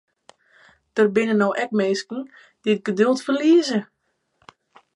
Der binne no ek minsken dy't it geduld ferlieze.